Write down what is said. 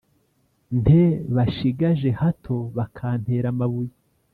nte Bashigaje hato bakantera amabuye